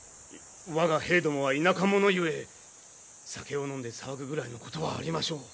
我が兵どもは田舎者ゆえ酒を飲んで騒ぐぐらいのことはありましょう。